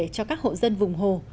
cho các hộ dân vùng hồ